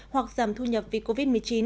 hoặc giảm thu nhập vì covid một mươi chín